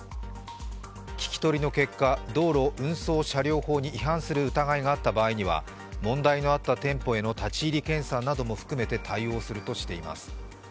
聞き取りの結果、道路運送車両法に違反する疑いがあった場合には問題のあった店舗への立ち入り検査なども含めて対応するとしています。